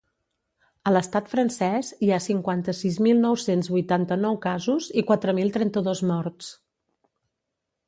A l’estat francès hi ha cinquanta-sis mil nou-cents vuitanta-nou casos i quatre mil trenta-dos morts.